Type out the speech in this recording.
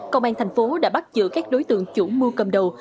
công an tp hcm đã bắt giữ các đối tượng chủ mua cầm đầu